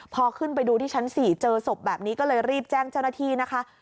พอขึ้นไปดูที่ชั้น๔เจอศพแบบนี้ก็เลยรีบแจ้งเจ้าหน้าที่นะคะ